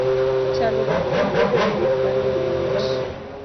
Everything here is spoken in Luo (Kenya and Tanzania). Chandruok en bedo gi gik mang'eny e wich.